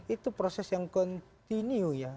itu proses yang kontinu ya